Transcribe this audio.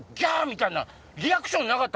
みたいな。